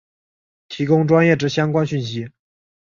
提供专业之相关讯息